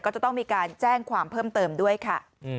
ก็จะต้องมีการแจ้งความเพิ่มเติมด้วยค่ะ